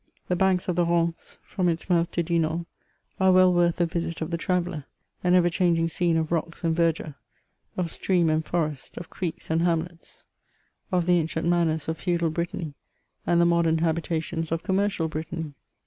The banks of the Ranee, from its mouth to Dinan, are well worth the visit of the traveller ; an ever changing scene of rocks and verdure, of stream and forest, of creeks and hamlets, of the ancient manors of feudal Brittany, and the modern habitations of commercial Brittany.